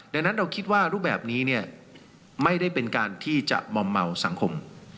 ดังนั้นเราคิดว่ารูปแบบนี้เนี่ยไม่ได้เป็นการที่จะมอมเมาสังคม